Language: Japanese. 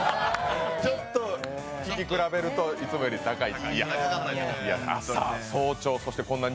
ちょっと聴き比べるといつもより高いと。